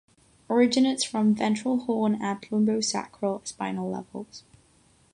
Originates from ventral horn at lumbosacral spinal levels.